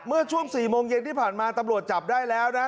เมื่อช่วง๔โมงเย็นที่ผ่านมาตำรวจจับได้แล้วนะ